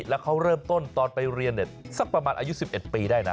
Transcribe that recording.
แล้วเขาเริ่มต้นตอนไปเรียนสักประมาณอายุ๑๑ปีได้นะ